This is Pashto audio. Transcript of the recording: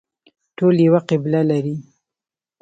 ټول یوه قبله لري